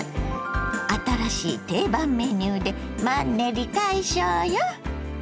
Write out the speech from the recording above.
新しい定番メニューでマンネリ解消よ。